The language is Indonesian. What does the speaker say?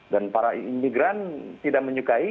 dan para imigran tidak menyukai